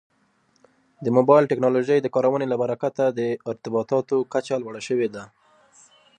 د موبایل ټکنالوژۍ د کارونې له برکته د ارتباطاتو کچه لوړه شوې ده.